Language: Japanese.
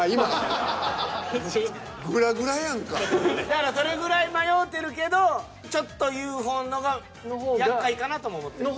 だからそれぐらい迷うてるけどちょっとＵ．Ｆ．Ｏ．の方がやっかいかなとも思ってる。